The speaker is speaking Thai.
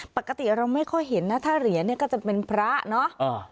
ปกติเราไม่ค่อยเห็นนะถ้าเหรียญเนี่ยก็จะเป็นพระเนอะ